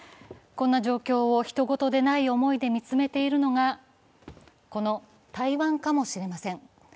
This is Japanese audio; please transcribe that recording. こんな状況をひと事でない思いで見つめているのが、この台湾かもしれません。